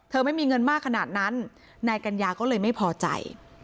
ไม่มีเงินมากขนาดนั้นนายกัญญาก็เลยไม่พอใจ